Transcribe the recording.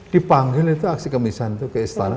dipanggil itu aksi kemisahan itu ke istana